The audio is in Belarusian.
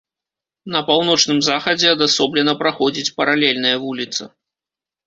На паўночным захадзе адасоблена праходзіць паралельная вуліца.